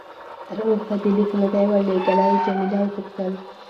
تر اوسه دې لیک نه دی ورلېږلی؟ جميله وپوښتل.